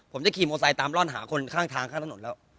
ผมก็ขี่ตามร่อนหาคนข้างทางข้างถนนแล้ว